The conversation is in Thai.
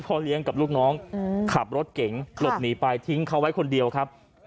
เลี้ยงกับลูกน้องขับรถเก๋งหลบหนีไปทิ้งเขาไว้คนเดียวครับ